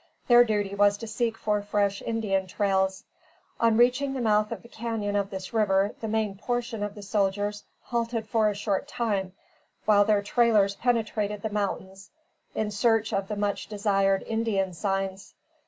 Their duty was to seek for fresh Indian trails. On reaching the mouth of the cañon of this river, the main portion of the soldiers halted for a short time while their trailers penetrated the mountains in search of the much desired Indian signs.